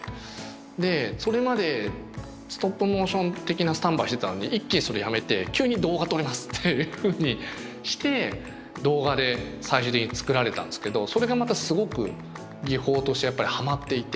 でそれまでストップモーション的なスタンバイしてたのに一気にそれやめて急に動画撮りますっていうふうにして動画で最終的に作られたんですけどそれがまたすごく技法としてやっぱりハマっていて。